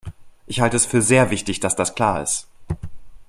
Ich halte es für sehr wichtig, dass das klar ist.